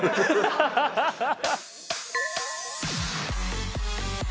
ハハハハ！